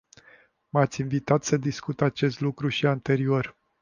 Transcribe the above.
M-ați invitat să discut acest lucru și anterior.